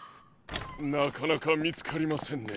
なかなかみつかりませんね。